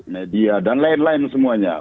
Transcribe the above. media dan lain lain semuanya